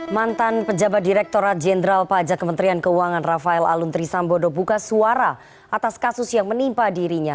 mantan pejabat direkturat jenderal pajak kementerian keuangan rafael aluntri sambodo buka suara atas kasus yang menimpa dirinya